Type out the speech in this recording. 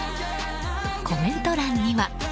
コメント欄には。